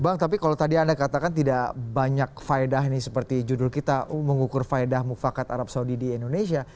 bang tapi kalau tadi anda katakan tidak banyak faedah ini seperti judul kita mengukur faedah mufakat arab saudi di indonesia